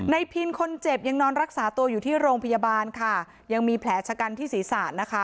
พินคนเจ็บยังนอนรักษาตัวอยู่ที่โรงพยาบาลค่ะยังมีแผลชะกันที่ศีรษะนะคะ